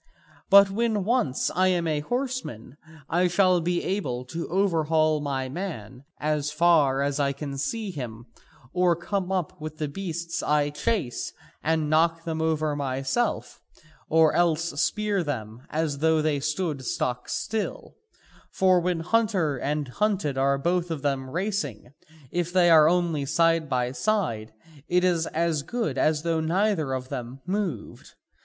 But when once I am a horseman I shall be able to overhaul my man as far as I can see him, or come up with the beasts I chase and knock them over myself or else spear them as though they stood stock still, for when hunter and hunted are both of them racing, if they are only side by side, it is as good as though neither of them moved.